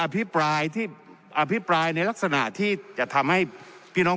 อภิปรายในลักษณะที่จะทำให้พี่น้อง